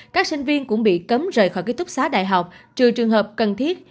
các sinh viên cũng bị cấm rời khỏi ký túc xá đại học trừ trường hợp cần thiết